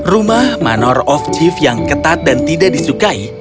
rumah manor of chief yang ketat dan tidak disukai